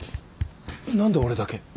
何で俺だけ？